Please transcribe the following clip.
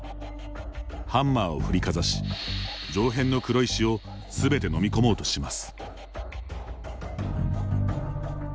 ハンマーを振りかざし上辺の黒石をすべて飲み込もうとします。